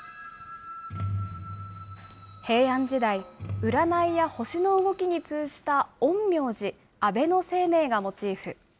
平安時代、占いや星の動きに通じた陰陽師、安倍晴明がモチーフ。